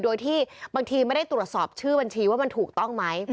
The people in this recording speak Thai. โดยที่บางทีไม่ได้ตรวจสอบชื่อบัญชีว่ามันถูกต้องไหม